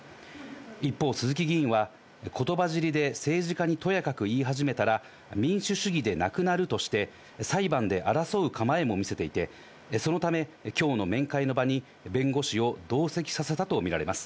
一方、鈴木議員は、ことばじりで政治家にとやかく言い始めたら、民主主義でなくなるとして、裁判で争う構えも見せていて、そのため、きょうの面会の場に弁護士を同席させたと見られます。